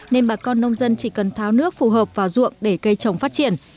nên bà con nông dân chỉ cần tháo nước phù hợp vào ruộng để cây trồng phát triển